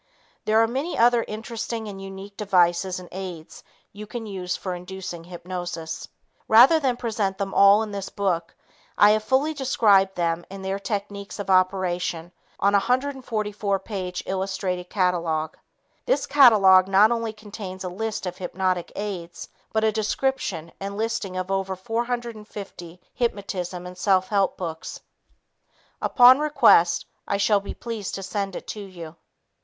There are many other interesting and unique devices and aids you can use for inducing hypnosis. Rather than present them all in this book, I have fully described them and their technique of operation in a 144 page illustrated catalog. This catalog not only contains a list of hypnotic aids, but a description and listing of over 450 hypnotism and self help books. Upon request, I shall be pleased to send it to you.